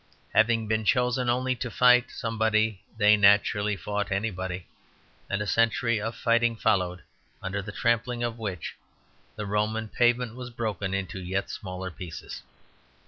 Having been chosen only to fight somebody they naturally fought anybody; and a century of fighting followed, under the trampling of which the Roman pavement was broken into yet smaller pieces.